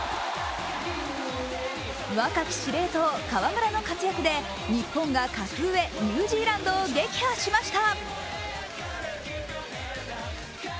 若き指令塔・河村の活躍で日本が格上、ニュージーランドを撃破しました。